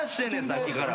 さっきから。